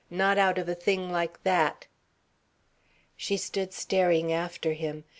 "Not out of a thing like that." She stood staring after him.